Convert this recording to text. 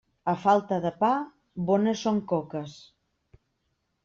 A falta de pa, bones són coques.